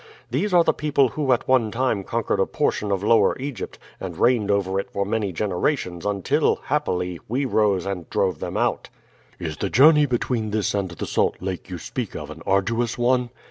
These are the people who at one time conquered a portion of Lower Egypt, and reigned over it for many generations until, happily, we rose and drove them out." "Is the journey between this and the Salt Lake you speak of an arduous one?"